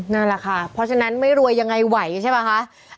นั่นแหละค่ะเพราะฉะนั้นไม่รวยยังไงไหวใช่ป่ะคะ